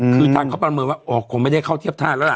คือทางเขาประเมินว่าอ๋อคงไม่ได้เข้าเทียบท่าแล้วล่ะ